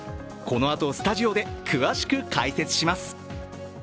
このあとスタジオで詳しく解説します。